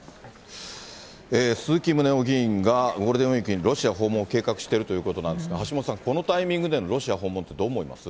鈴木宗男議員が、ゴールデンウィークにロシア訪問を計画しているということなんですが、橋下さん、このタイミングでのロシア訪問ってどう思います？